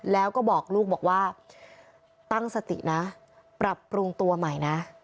แล้วก็บอกลูกบอกว่าตั้งสตินะปรับปรุงตัวใหม่นะ